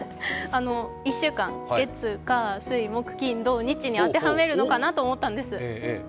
１週間、月、火、水、木、金、土、日に当てはめるのかなと思ったんです。